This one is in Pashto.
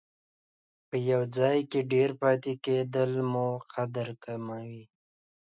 په یو ځای کې ډېر پاتې کېدل مو قدر کموي.